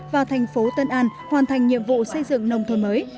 và thành phố tân an hoàn thành nhiệm vụ xây dựng nông thôn mới